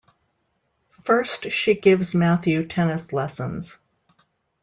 First she gives Matthew tennis lessons.